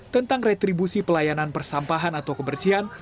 tentang retribusi pelayanan persampahan atau kebersihan